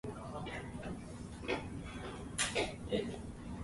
Note: this reference is apocryphal.